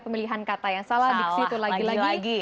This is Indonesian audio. pemilihan kata yang salah di situ lagi lagi